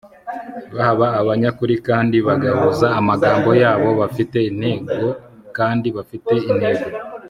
baba abanyakuri kandi bagahuza amagambo yabo bafite intego kandi bafite intego